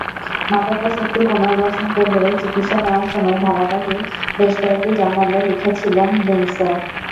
মাদকাসক্তি পুনর্বাসন কেন্দ্রে চিকিৎসা নেওয়ার সময় ধারাবাহিকভাবে বেশ কয়েকটি জার্নালে লিখেছিলেন লিন্ডসে।